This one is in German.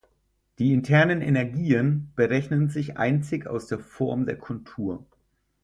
Die internen Energien berechnen sich einzig aus der Form der Kontur.